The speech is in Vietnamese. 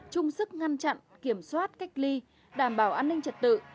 chung sức ngăn chặn kiểm soát cách ly đảm bảo an ninh trật tự